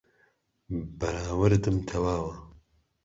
بەراوردم تەواوە